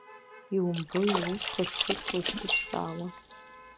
Иумбои уус хыхь-хыхьла ишҭысҵаауа!